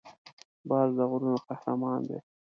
باز د غرونو قهرمان دی